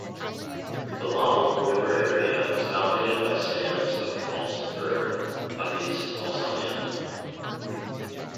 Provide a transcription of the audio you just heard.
The Laval River area is dominated by stands of balsam fir ("Abies balsamea").